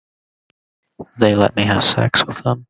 They let me have sex with them.